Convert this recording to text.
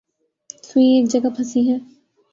سوئی ایک جگہ پھنسی ہے۔